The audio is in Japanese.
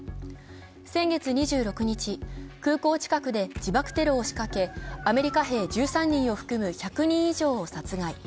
先月２７日、空港近くで自爆テロを仕掛けアメリカ兵１３人を含む１００人以上を殺害。